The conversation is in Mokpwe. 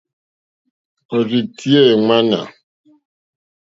Òrzì tíyá èŋmánà.